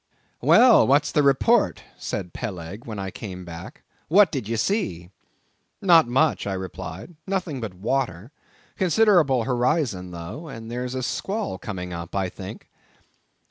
"Well, what's the report?" said Peleg when I came back; "what did ye see?" "Not much," I replied—"nothing but water; considerable horizon though, and there's a squall coming up, I think."